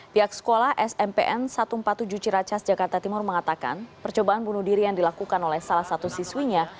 pihak sekolah smpn satu ratus empat puluh tujuh ciracas jakarta timur mengatakan percobaan bunuh diri yang dilakukan oleh salah satu siswinya